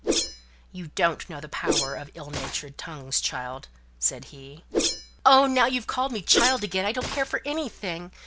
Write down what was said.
"You don't know the power of ill natured tongues, child," said he. "Oh, now you've called me 'child' again I don't care for anything.